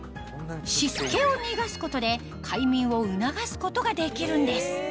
湿気を逃がすことで快眠を促すことができるんです